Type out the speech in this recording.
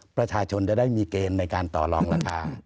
ประชาชนจะได้มีเกณฑ์ในการต่อลองราคา